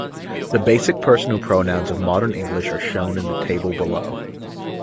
The basic personal pronouns of modern English are shown in the table below.